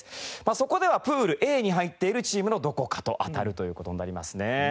そこではＰＯＯＬＡに入っているチームのどこかと当たるという事になりますね。